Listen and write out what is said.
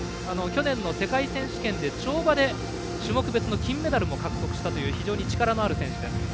去年の世界選手権で跳馬で種目別の金メダルも獲得した非常に力のある選手です。